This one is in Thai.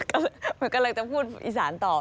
มันกำลังจะพูดอีสานต่อ